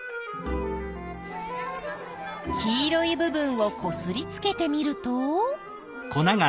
黄色い部分をこすりつけてみると。